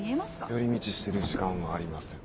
寄り道してる時間はありません。